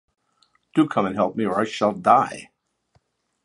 Do come and help me or I shall die!